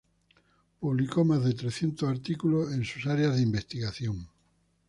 Publicó más de trescientos artículos en sus áreas de investigación.